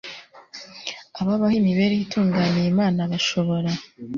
Ababaho imibereho itunganiye Imana bashobora